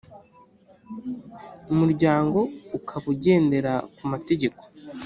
muryango ukaba ugendera ku mategeko